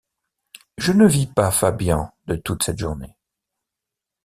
Je ne vis pas Fabian de toute cette journée.